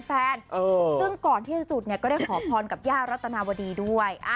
ซึ่งก่อนที่สุดก็ได้ขอพรกับย่ารัฐนาวดีด้วย